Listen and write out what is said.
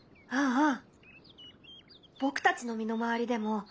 うん！